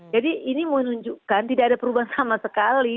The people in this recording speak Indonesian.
jadi ini menunjukkan tidak ada perubahan sama sekali